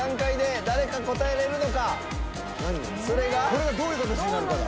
これがどういう形になるかだ。